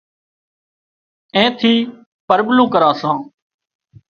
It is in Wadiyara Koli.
اين ٿي پرٻلوُن ڪران سان